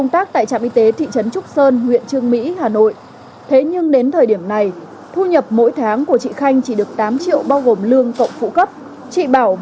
trạm y tế thị trấn trúc sơn huyện trương mỹ tp hà nội